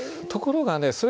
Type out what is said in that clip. ところがね